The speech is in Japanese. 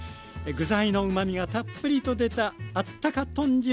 具材のうまみがたっぷりと出たあったか豚汁